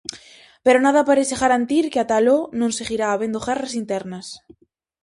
Pero nada parece garantir que ata aló non seguirá habendo guerras internas.